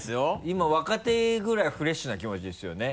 今若手ぐらいフレッシュな気持ちですよね。